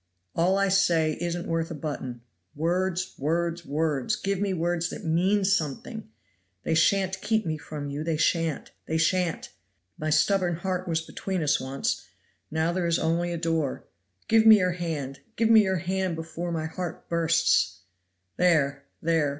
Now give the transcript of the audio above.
All I say isn't worth a button. Words! words! words! give me words that mean something. They shan't keep me from you, they shan't! they shan't! My stubborn heart was between us once, now there is only a door. Give me your hand! give me your hand before my heart bursts." "There! there!"